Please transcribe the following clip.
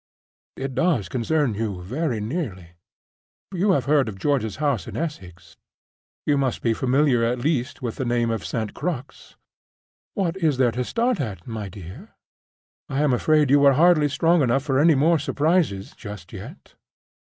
"It does concern you very nearly. You have heard of George's house in Essex? You must be familiar, at least, with the name of St. Crux?—What is there to start at, my dear? I am afraid you are hardly strong enough for any more surprises just yet?"